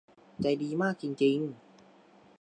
ใจดีมากจริง ๆ